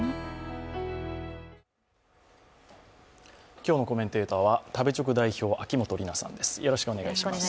今日のコメンテーターは食べチョク代表、秋元里奈さんです。